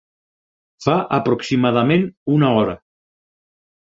Fa aproximadament una hora.